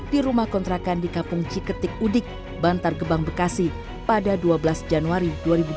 di rumah kontrakan di kampung ciketik udik bantar gebang bekasi pada dua belas januari dua ribu dua puluh